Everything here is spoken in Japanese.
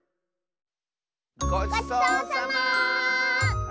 ごちそうさま！